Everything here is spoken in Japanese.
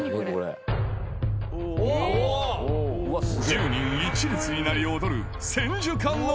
１０ 人１列になり踊る